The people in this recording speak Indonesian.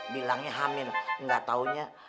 bilangnya hamil gak taunya